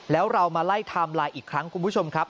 แล้วเรามาไล่ไทม์ไลน์อีกครั้งคุณผู้ชมครับ